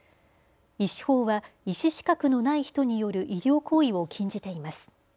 医師法は医師資格のない人による医療行為を禁じています。